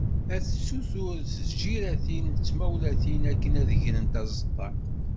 Ad tessuter seg tǧiratin d tmawlatin, akken ad grent aẓeṭṭa.